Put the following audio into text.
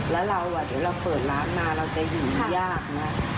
แต่เขาไม่ให้เราเข้าคอนโดไม่ให้เราเข้าเนี่ย